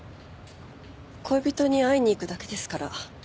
恋人に会いに行くだけですから。